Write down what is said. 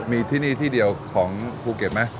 มีที่นี่ที่เดียวของภูเก็ตไหม